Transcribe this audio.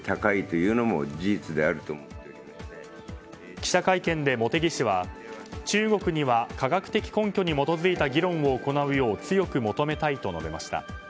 記者会見で茂木氏は中国には科学的根拠に基づいた議論を行うよう強く求めたいと述べました。